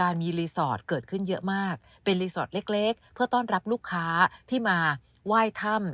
มีรีสอร์ทเกิดขึ้นเยอะมากเป็นรีสอร์ทเล็กเพื่อต้อนรับลูกค้าที่มาไหว้ถ้ำ